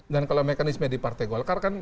dan kalau mekanisme di partai golkar kan